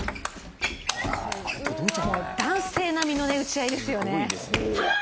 男性並みの打ち合いですよね。